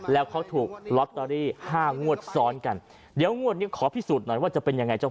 แล้วเขาถูกลอตเตอรี่ห้างวดซ้อนกันเดี๋ยวงวดนี้ขอพิสูจน์หน่อยว่าจะเป็นยังไงเจ้า